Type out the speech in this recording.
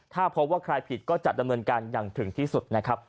ถ้าพบว่าใครผิดก็จะดำเนินการอย่างถึงที่สุดนะครับ